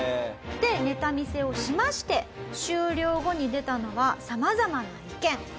でネタ見せをしまして終了後に出たのが様々な意見。